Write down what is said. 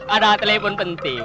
ada telepon penting